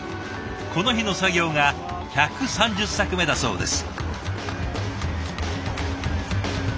この日の作業が１３０作目だそうです。